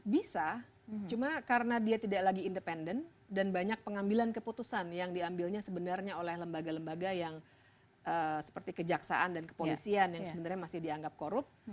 bisa cuma karena dia tidak lagi independen dan banyak pengambilan keputusan yang diambilnya sebenarnya oleh lembaga lembaga yang seperti kejaksaan dan kepolisian yang sebenarnya masih dianggap korup